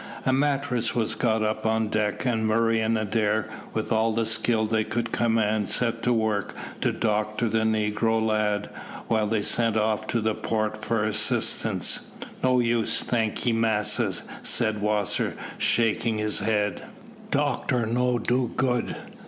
A mattress was got up on deck, and Murray and Adair, with all the skill they could command, set to work to doctor the negro lad, while they sent off to the port for assistance. "No use, thank ye, massas," said Wasser, shaking his head. "Doctor no do good.